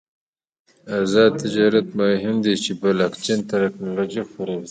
آزاد تجارت مهم دی ځکه چې بلاکچین تکنالوژي خپروي.